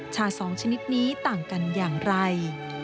ชา๒ชนิดนี้ต่างกันอย่างไร